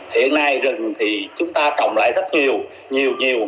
hiện nay rừng thì chúng ta trồng lại rất nhiều nhiều nhiều